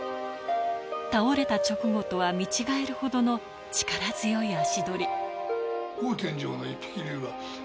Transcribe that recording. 倒れた直後とは見違えるほどの力強い足取り。